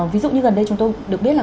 ví dụ như gần đây chúng tôi được biết là